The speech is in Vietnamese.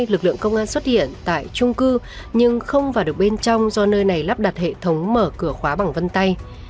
lực lượng công an xuất hiện tại trung cư nhưng không vào được bên trong do nơi này lắp đặt hệ thống mở cửa khóa bằng vân tay